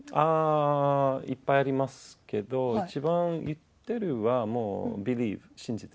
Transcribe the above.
いっぱいありますけど、一番言ってるは、もうビリーブ、信じて。